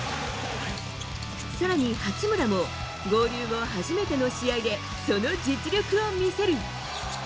更に八村も合流後初めての試合でその実力を見せる。